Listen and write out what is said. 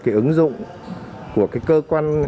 cái ứng dụng của cái cơ quan